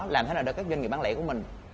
làm thế nào để các doanh nghiệp bán lẻ của mình